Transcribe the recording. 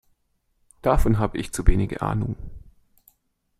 Davon habe ich zu wenige Ahnung.